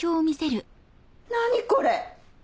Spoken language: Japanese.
何これ！